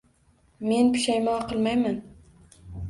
Men pushaymon qilmayman.